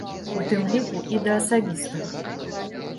У тым ліку і да асабістага.